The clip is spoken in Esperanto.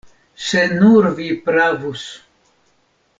Se nur vi pravus!